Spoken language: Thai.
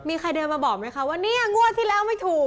มีใครเดินมาบอกไหมคะว่าเนี่ยงวดที่แล้วไม่ถูก